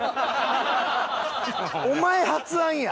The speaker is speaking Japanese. お前発案や！